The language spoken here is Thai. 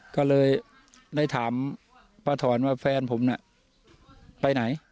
ก็เลยได้ถามป้าถอนว่าแฟนผมน่ะไปไหน